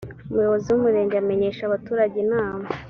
umuyobozi w’umurenge amenyesha abaturage inama.